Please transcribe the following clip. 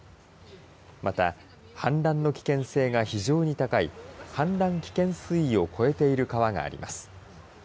また、氾濫の危険性が非常に高い氾濫危険水位を超えている川があります。